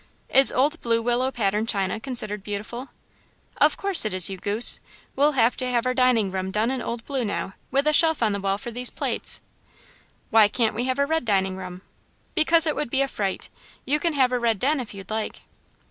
"Is old blue willow pattern china considered beautiful?" "Of course it is, you goose! We'll have to have our dining room done in old blue, now, with a shelf on the wall for these plates." "Why can't we have a red dining room?" "Because it would be a fright. You can have a red den, if you like."